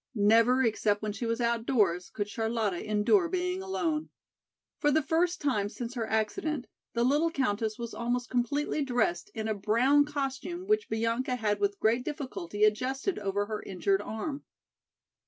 Never except when she was outdoors could Charlotta endure being alone. For the first time since her accident the little countess was almost completely dressed in a brown costume which Bianca had with great difficulty adjusted over her injured arm.